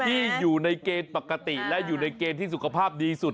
ที่อยู่ในเกณฑ์ปกติและอยู่ในเกณฑ์ที่สุขภาพดีสุด